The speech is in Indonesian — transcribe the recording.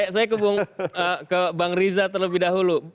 saya ke bang riza terlebih dahulu